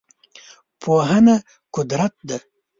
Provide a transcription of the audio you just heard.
پوهنه قدرت دی.